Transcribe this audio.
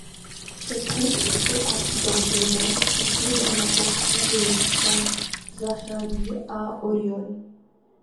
Cette route est très accidentogène surtout dans la portion de Saint-Zacharie à Auriol.